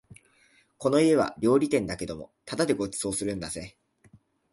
この家は料理店だけれどもただでご馳走するんだぜ